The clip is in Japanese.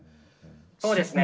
そうですね。